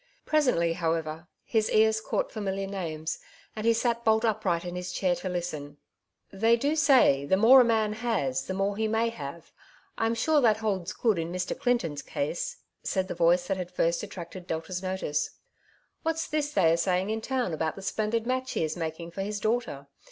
Presently, however, his ears caught familiar names, and he sat bolt upright in his chair to listen. '' They do say, the more a man has, the more he may have — I'm sure that holds good in Mr. Clinton's case,'' said the voice that had first attracted Delta's notice. "What's this they are saying in town about the splendid match he is making for his daughter